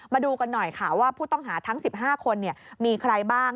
มาดูกันหน่อยค่ะว่าผู้ต้องหาทั้ง๑๕คนมีใครบ้าง